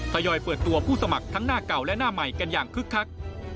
ทยอยเปิดตัวผู้สมัครทั้งหน้าเก่าและหน้าใหม่กันอย่างคึกคัก